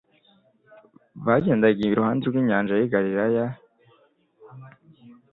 Bagendaga iruharide rw'inyanja y'i Galilaya